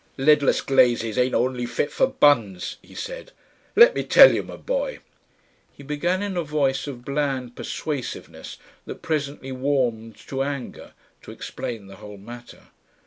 "Leadless glazes ain't only fit for buns," he said. "Let me tell you, my boy " He began in a voice of bland persuasiveness that presently warmed to anger, to explain the whole matter.